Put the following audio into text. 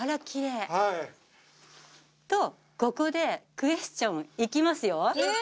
きれいはいとここでクエスチョンいきますよ